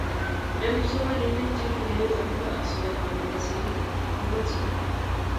Eng' kipsomanik che kikenet akoba asoya ama kasee it ko mache